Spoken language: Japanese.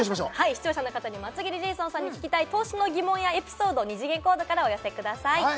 視聴者の方にも厚切りジェイソンさんに聞きたい投資の疑問や、エピソードなど二次元コードからお寄せください。